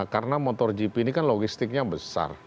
karena motor gp ini kan logistiknya besar